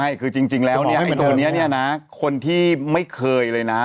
ไม่คือจริงแล้วตัวนี้นะคนที่ไม่เคยเลยนะ